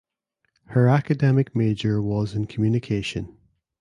Her academic major was in Communication.